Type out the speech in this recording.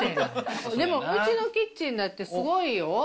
でも、うちのキッチンだってすごいよ。